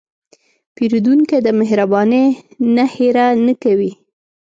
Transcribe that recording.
پیرودونکی د مهربانۍ نه هېره نه کوي.